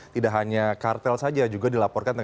tidak hanya kartel saja juga dilaporkan